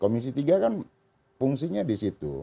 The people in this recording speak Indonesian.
komisi tiga kan fungsinya disitu